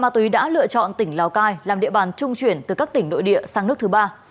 tỉnh lào cai làm địa bàn trung chuyển từ các tỉnh nội địa sang nước thứ ba